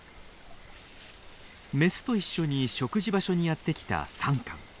メスと一緒に食事場所にやって来たサンカン。